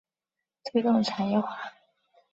推动产业化